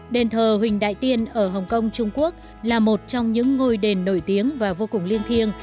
đền thờ huỳnh đại tiên ở hồng kông trung quốc là một trong những ngôi đền nổi tiếng và vô cùng liên thiêng